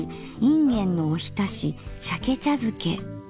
いんげんのおひたし鮭茶づけ。